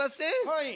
はい。